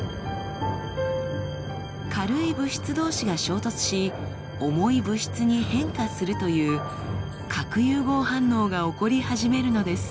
軽い物質同士が衝突し重い物質に変化するという「核融合反応」が起こり始めるのです。